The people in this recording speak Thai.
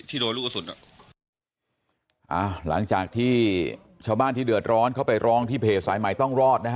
โดนลูกกระสุนอ่ะอ่าหลังจากที่ชาวบ้านที่เดือดร้อนเข้าไปร้องที่เพจสายใหม่ต้องรอดนะฮะ